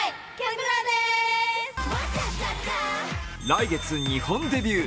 来月、日本デビュー。